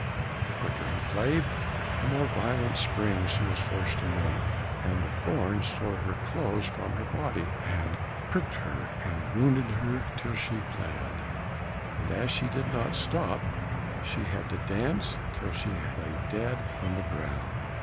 The quicker he played, the more violent springs was she forced to make, and the thorns tore her clothes from her body, and pricked her and wounded her till she bled, and as he did not stop, she had to dance till she lay dead on the ground.